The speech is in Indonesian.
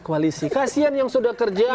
koalisi kasian yang sudah kerja